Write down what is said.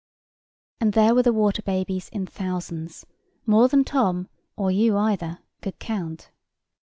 And there were the water babies in thousands, more than Tom, or you either, could count.